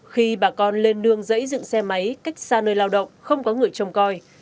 khi bà con lên nương dãy dựng xe máy cách xa nơi lao động không có người trông coi